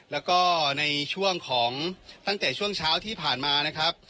แล้วก็ในช่วงของตั้งแต่ช่วงเช้าที่ผ่านมานะครับ